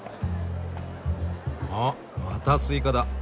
あまたスイカだ。